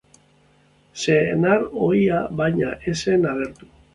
Senar ohia, baina, ez zen agertu.